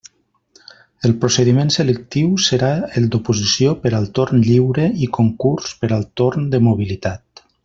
El procediment selectiu serà el d'oposició per al torn lliure i concurs per al torn de mobilitat.